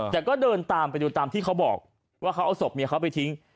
แต่ก็เดินตามไปดูตามที่เขาบอกว่าเขาเอาศพเมียเขาไปทิ้ง